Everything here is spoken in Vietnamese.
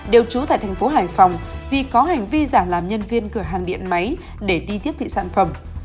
đều trú tại thành phố hải phòng vì có hành vi giả làm nhân viên cửa hàng điện máy để đi tiếp thị sản phẩm